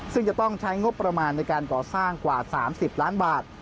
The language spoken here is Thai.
ซึ่งจะต้องใช้งบประมาณในการก่อสร้างกว่า๓๐ล้านบาท